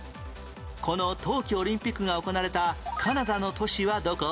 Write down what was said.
この冬季オリンピックが行われたカナダの都市はどこ？